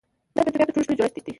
بدن د طبیعت تر ټولو ښکلی جوړڻت دی.